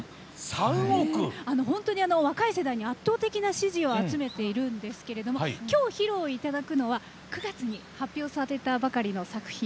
本当に若い世代に圧倒的な支持を集めているんですけども今日、披露いただくのは９月に発表されたばかりの作品。